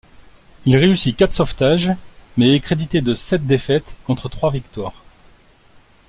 Il réussit quatre sauvetages mais est crédité de sept défaites contre trois victoires.